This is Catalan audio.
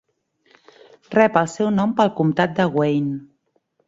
Rep el seu nom pel comtat de Wayne.